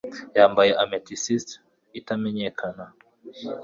yambaye amethyst itamenyekana